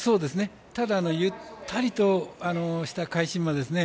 ただ、ゆったりとした返し馬ですね。